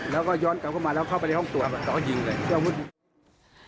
แล้วก็ย้อนกลับมาเข้าไปห้องตรวจ